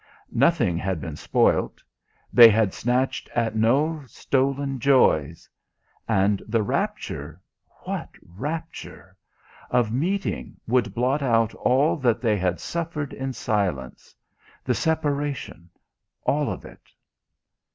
Nothing had been spoilt; they had snatched at no stolen joys. And the rapture, (what rapture!) of meeting would blot out all that they had suffered in silence the separation all of it!